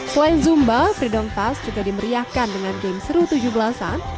selain zumba freedom tas juga dimeriahkan dengan game seru tujuh belas an